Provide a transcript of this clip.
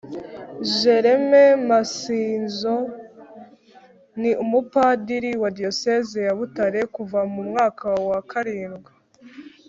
Jereme Masinzo ni Umupadiri wa Diyosezi ya Butare kuva mu mwaka wa karindwi